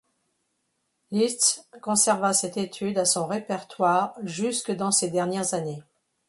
Liszt conserva cette étude à son répertoire jusque dans ces dernières années.